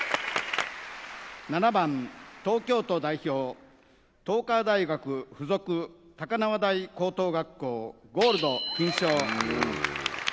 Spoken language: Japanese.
７番、東京都代表、東海大学付属高輪台高等学校、ゴールド金賞。